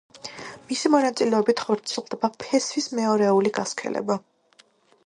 მისი მონაწილეობით ხორციელდება ფესვის მეორეული გასქელება.